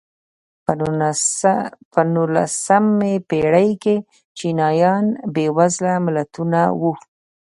په نولسمې پېړۍ کې چینایان بېوزله ملتونه وو.